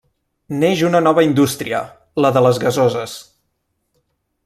Neix una nova indústria: la de les gasoses.